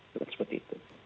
itu akan sering dilakukan